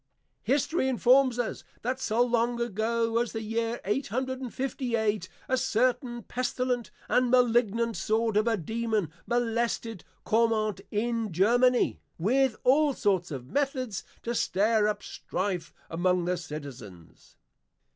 History informs us, That so long ago, as the year, 858, a certain Pestilent and Malignant sort of a Dæmon, molested Caumont in Germany with all sorts of methods to stir up strife among the Citizens.